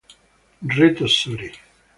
Reto Suri